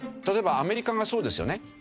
例えばアメリカがそうですよね。